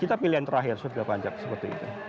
kita pilihan terakhir surga pajak seperti itu